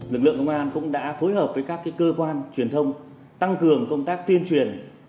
lực lượng công an cũng đã phối hợp với các cơ quan truyền thông tăng cường công tác tuyên truyền